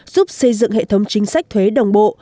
giúp xây dựng hệ thống chính sách thuế đồng bộ